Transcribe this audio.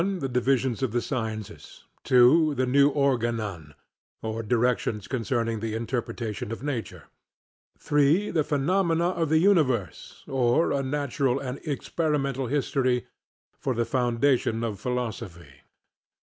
The Divisions of the Sciences. 2. The New Organon; or Directions concerning the Interpretation of Nature. 3. The Phenomena of the Universe; or a Natural and Experimental History for the foundation of Philosophy. 4.